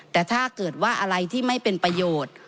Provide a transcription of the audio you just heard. แต่ถ้าเกิดว่าอะไรที่ไม่เป็นประโยชน์